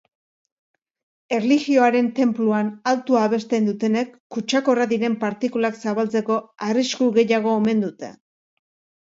Erlijioaren tenpluan altu abesten dutenek kutsakorrak diren partikulak zabaltzeko arrisku gehiago omen dute.